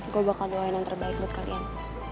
gue bakal doain yang terbaik buat kalian